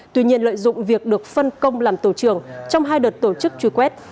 tuy nhiên lợi dụng việc được phân công làm tổ trưởng trong hai đợt tổ chức truy quét